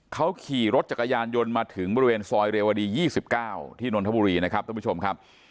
เขาขี่รถจักรยานยนต์มาถึงบริเวณซอยเรวดี๒๙ที่นนทบุรีนะครับท่านผู้ชมครับ